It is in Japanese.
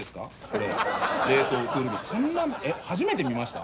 これ冷凍クール便そんなえっ初めて見ました？